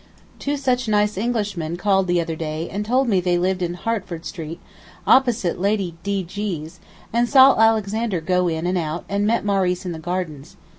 Two such nice Englishmen called the other day and told me they lived in Hertford Street opposite Lady D. G.'s and saw Alexander go in and out, and met Maurice in the gardens.